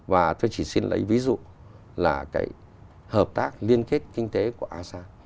và tôi chỉ xin lấy ví dụ là cái hợp tác liên kết kinh tế của asean